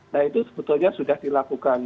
nah itu sebetulnya sudah dilakukan